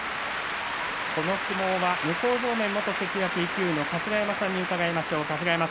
この相撲は向正面元関脇勢の春日山さんに伺います。